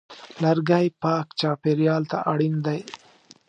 لرګی پاک چاپېریال ته اړین دی.